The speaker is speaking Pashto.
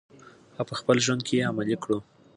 او په خپل ژوند کې یې عملي کړو.